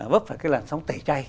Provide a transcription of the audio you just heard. vấp phải cái làn sóng tẩy chay